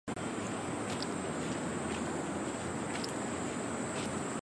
沙尔穆瓦尔。